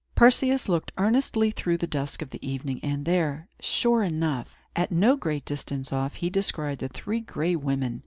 Perseus looked earnestly through the dusk of the evening, and there, sure enough, at no great distance off, he descried the Three Gray Women.